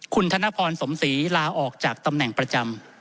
คุณธนพรสมศรีลาออกจากตำแหน่งประจำ